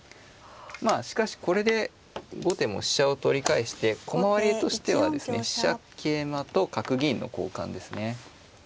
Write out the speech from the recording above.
まあしかしこれで後手も飛車を取り返して駒割りとしてはですね飛車桂馬と角銀の交換ですね。